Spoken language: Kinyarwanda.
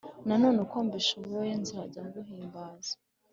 Nanone uko mbishoboye nzajya nguhimbaza